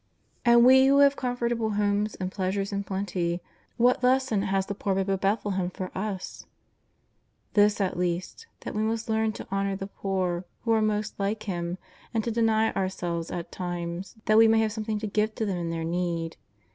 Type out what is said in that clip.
And we who have comfortable homes, and pleasures in plenty, what lesson has the poor Babe of Bethlehem for us ? This at least, that we must learn to honour the poor, who are most like Him, and to deny ourselves at times that we may have something to give to them in their need.